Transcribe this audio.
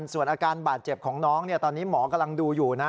ส่วนอาการบาดเจ็บของน้องตอนนี้หมอกำลังดูอยู่นะ